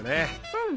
うん！